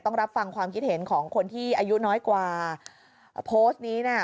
ต้องรับฟังความคิดเห็นของคนที่อายุน้อยกว่าโพสต์นี้น่ะ